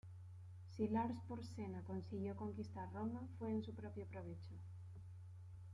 Si Lars Porsena consiguió conquistar Roma, fue en su propio provecho.